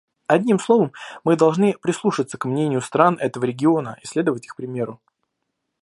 Одним словом, мы должны прислушаться к мнению стран этого региона и следовать их примеру.